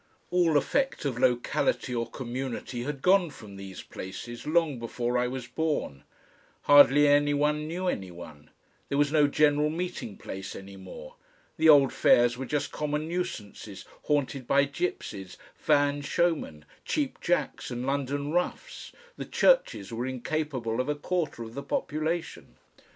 All effect of locality or community had gone from these places long before I was born; hardly any one knew any one; there was no general meeting place any more, the old fairs were just common nuisances haunted by gypsies, van showmen, Cheap Jacks and London roughs, the churches were incapable of a quarter of the population.